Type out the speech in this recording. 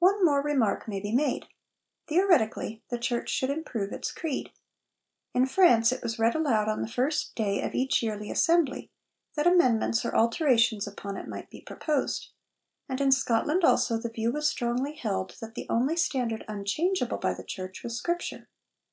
One more remark may be made. Theoretically, the Church could improve its creed. In France it was read aloud on the first day of each yearly Assembly, that amendments or alterations upon it might be proposed; and in Scotland also the view was strongly held that the only standard unchangeable by the Church was Scripture.